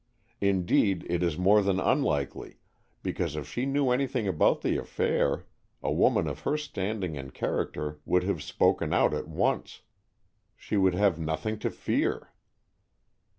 Indeed, it is more than unlikely, because if she knew anything about the affair, a woman of her standing and character would have spoken out at once. She would have nothing to fear."